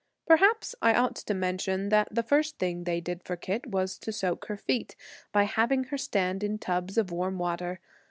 Perhaps I ought to mention that the first thing they did for Kit was to soak her feet, by having her stand in tubs of warm water.